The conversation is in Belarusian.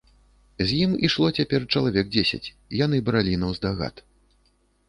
З ім ішло цяпер чалавек дзесяць, яны бралі наўздагад.